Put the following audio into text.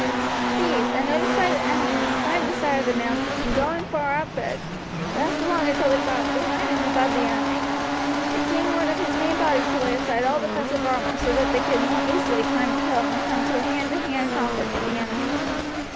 These, unnoticed by the enemy, climbed the side of the mountain, and going far up it, passed along until they got behind and above the enemy. The king ordered his main body to lay aside all defensive armour so that they could more easily climb the hill and come to a hand to hand conflict with the enemy.